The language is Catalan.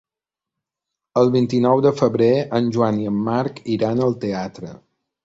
El vint-i-nou de febrer en Joan i en Marc iran al teatre.